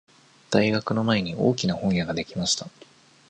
大学の前に大きな本屋ができました。